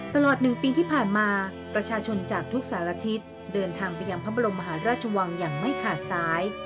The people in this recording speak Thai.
ตลอด๑ปีที่ผ่านมาประชาชนจากทุกสารทิศเดินทางไปยังพระบรมมหาราชวังอย่างไม่ขาดสาย